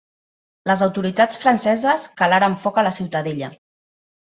Les autoritats franceses calaren foc a la ciutadella.